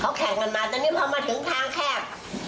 เขาแข่งกันมาตอนนี้พอมาถึงทางแคบ